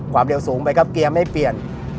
ความเร็วสูงไปครับเกียร์ไม่เปลี่ยน